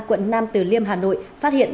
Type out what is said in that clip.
quận nam từ liêm hà nội phát hiện